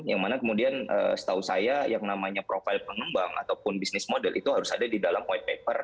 yang mana kemudian setahu saya yang namanya profil pengembang ataupun bisnis model itu harus ada di dalam white paper